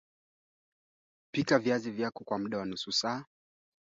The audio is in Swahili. rahisi Ng'ombe wa maziwa walioathirika pia hupunguza kiwango chao cha maziwa